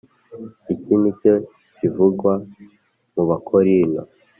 Iki ni cyo kivugwa mubakorinto,